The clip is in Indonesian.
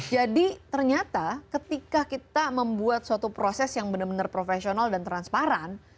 jadi ternyata ketika kita membuat suatu proses yang benar benar profesional dan transparan